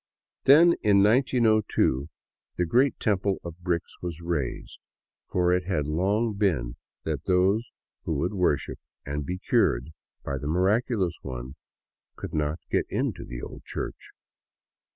Then, in 1902, the great temple of bricks was raised, for it had long been that those who would worship and be cured by the Miraculous One could not get into the old church.